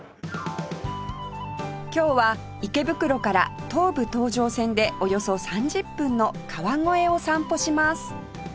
今日は池袋から東武東上線でおよそ３０分の川越を散歩します